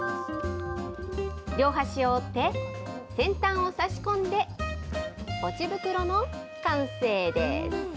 両端を折って、先端を差し込んで、ポチ袋の完成です。